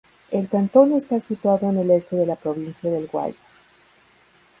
El cantón está situado en el este de la provincia del Guayas.